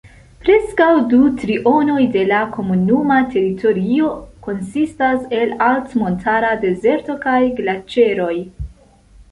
Preskaŭ du trionoj de la komunuma teritorio konsistas el altmontara dezerto kaj glaĉeroj.